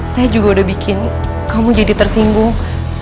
saya juga udah bikin kamu jadi tersinggung